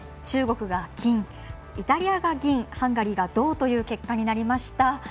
中国が金、イタリアが銀ハンガリーが銅という結果になりました。